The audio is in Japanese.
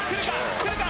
くるか？